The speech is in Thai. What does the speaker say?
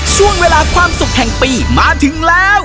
ช่วงเวลาความสุขแห่งปีมาถึงแล้ว